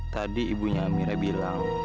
tadi ibunya amirah bilang